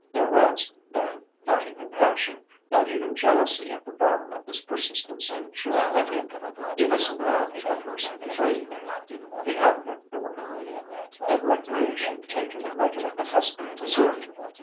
There was, then, not even passion, not even jealousy at the bottom of this persistent sensuality? It was now a perverse plaything, the habit of the woman, a recreation taken like an accustomed dessert.